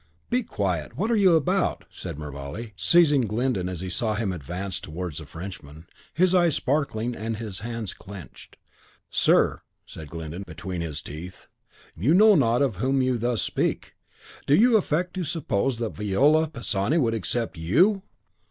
"Be quiet! What are you about?" said Mervale, seizing Glyndon as he saw him advance towards the Frenchman, his eyes sparkling, and his hands clenched. "Sir!" said Glyndon, between his teeth, "you know not of whom you thus speak. Do you affect to suppose that Viola Pisani would accept YOU?"